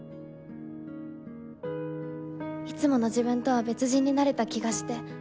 いつもの自分とは別人になれた気がして。